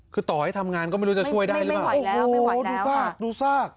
คือต่อให้ทำงานก็ไม่รู้จะช่วยได้หรือเปล่าไม่ไหวแล้วไม่ไหวแล้วค่ะดูซากดูซาก